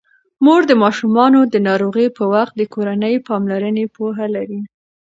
مور د ماشومانو د ناروغۍ په وخت د کورني پاملرنې پوهه لري.